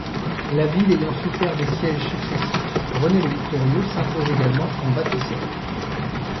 La ville ayant souffert des sièges successifs, René le victorieux s'impose également en bâtisseur.